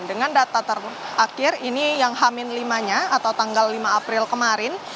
dengan data terakhir ini yang hamil lima nya atau tanggal lima april kemarin